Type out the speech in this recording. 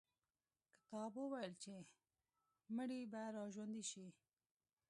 کتاب وویل چې مړي به را ژوندي شي.